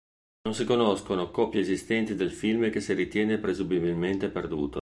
Non si conoscono copie esistenti del film che si ritiene presumibilmente perduto.